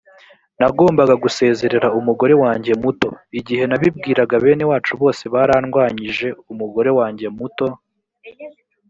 nagombaga gusezerera umugore wanjye muto. igihe nabibwiraga bene wacu bose barandwanyije umugore wanjye muto